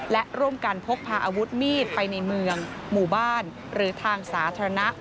และร่วมกันพกพาอาวุธมีดไปในเมืองหมู่บ้านหรือทางสาธารณะ